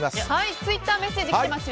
ツイッターメッセージ来てますよ。